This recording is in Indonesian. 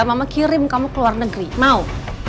mama kirim kamu ke luar negeri mau